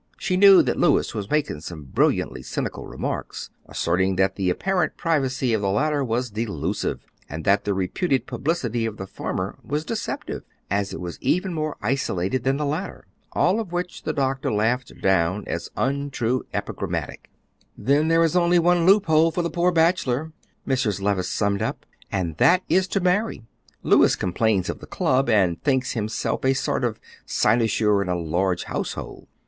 She knew that Louis was making some brilliantly cynical remarks, asserting that the apparent privacy of the latter was delusive, and that the reputed publicity of the former was deceptive, as it was even more isolated than the latter. All of which the doctor laughed down as untruly epigrammatic. "Then there is only one loophole for the poor bachelor," Mrs. Levice summed up, "and that is to marry. Louis complains of the club, and thinks himself a sort of cynosure in a large household.